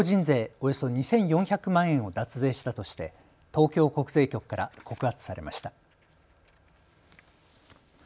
およそ２４００万円を脱税したとして東京国税局から告発されました。